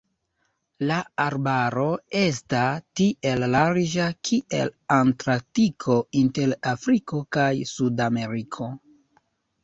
La arbaro esta tiel larĝa kiel Atlantiko inter Afriko kaj Sudameriko.